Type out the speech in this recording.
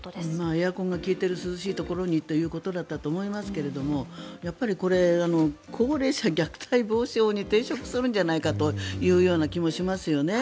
エアコンが利いている涼しいところにということだったと思いますがやっぱり高齢者虐待防止法に抵触するんじゃないかという気もしますよね。